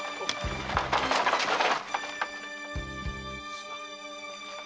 すまん。